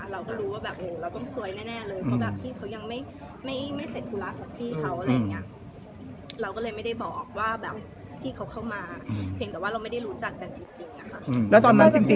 เราก็รู้ว่าแบบโหเราก็ไม่คุ้นแน่เลย